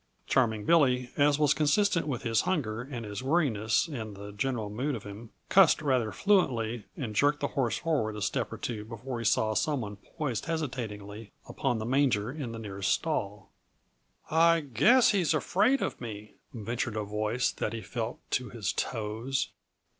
Charming Billy, as was consistent with his hunger and his weariness and the general mood of him, "cussed" rather fluently and jerked the horse forward a step or two before he saw some one poised hesitatingly upon the manger in the nearest stall. "I guess he's afraid of me," ventured a voice that he felt to his toes.